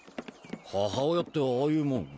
母親ってああいうもん？